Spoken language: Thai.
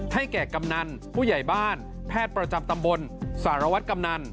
แก่กำนันผู้ใหญ่บ้านแพทย์ประจำตำบลสารวัตรกำนัน